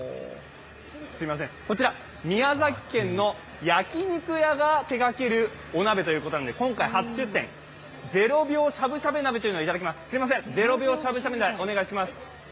こちら宮崎県の焼き肉屋が手がけるお鍋ということで今回初出店、０秒しゃぶしゃぶ鍋をいただきます。